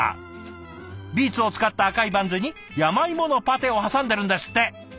ビーツを使った赤いバンズに山芋のパテを挟んでるんですって。